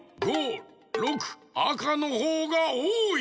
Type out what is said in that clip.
あかのほうがおおい。